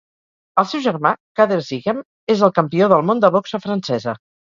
El seu germà, Kader Zighem és el campió del món de boxa francesa.